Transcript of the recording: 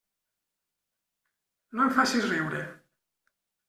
No em facis riure.